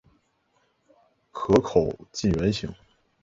壳口近圆形。